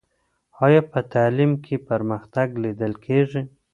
آیا په تعلیم کې پرمختګ لیدل کېږي؟